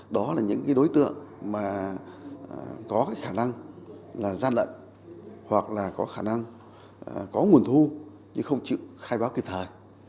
đó là những đối tượng có khả năng ra lợi hoặc là có khả năng có nguồn thu nhưng không chịu khai báo kịp thời